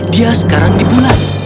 dia sekarang di bulan